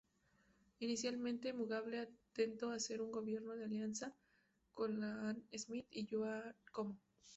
Inicialmente, Mugabe atentó hacer un gobierno de alianza con Ian Smith y Joshua Nkomo.